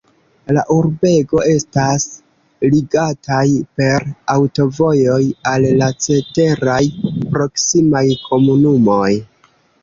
La urbego estas ligataj per aŭtovojoj al la ceteraj proksimaj komunumoj.